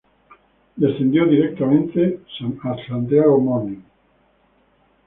Descendió directamente Santiago Morning.